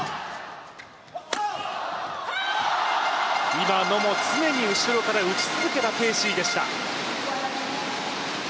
今のも常に後ろから打ち続けた鄭思緯でした。